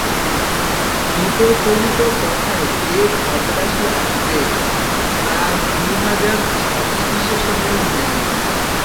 দুটো চলিত কথায় যে ভাবরাশি আসবে, তা দু-হাজার ছাঁদি বিশেষণেও নাই।